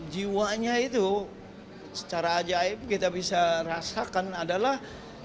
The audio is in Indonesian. jiwanya itu secara ajaib kita bisa rasakan adalah